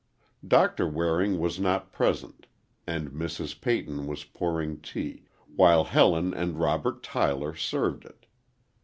Doctor Waring was not present and Mrs. Peyton was pouring tea, while Helen and Robert Tyler served it.